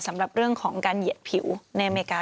สำหรับเรื่องของการเหยียดผิวในอเมริกา